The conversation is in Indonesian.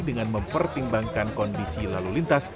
dengan mempertimbangkan kondisi lalu lintas